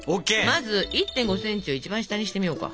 まず１．５センチを一番下にしてみようか。